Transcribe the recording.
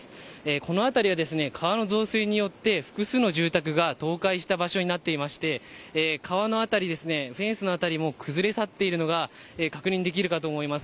この辺りは、川の増水によって複数の住宅が倒壊した場所になっていまして川の辺り、フェンスの辺り崩れ去っているのが確認できるかと思います。